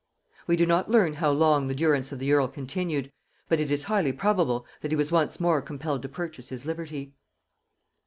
We do not learn how long the durance of the earl continued; but it is highly probable that he was once more compelled to purchase his liberty.